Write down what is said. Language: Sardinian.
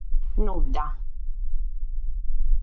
Nudda.